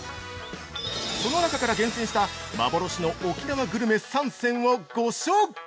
その中から厳選した幻の沖縄グルメ３選をご紹介！